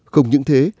không những thế